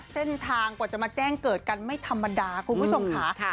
เส้นทางกว่าจะมาแจ้งเกิดกันไม่ธรรมดาคุณผู้ชมค่ะ